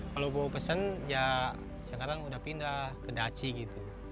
kalau bawa pesan sekarang sudah pindah ke daci